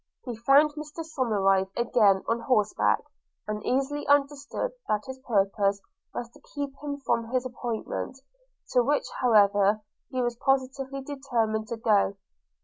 He found Mr Somerive again on horse back, and easily understood that his purpose was to keep him from his appointment, to which however he was positively determined to go.